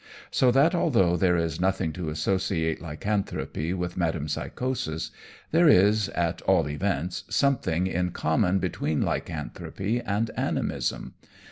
So that although there is nothing to associate lycanthropy with metempsychosis, there is, at all events, something in common between lycanthropy and animism.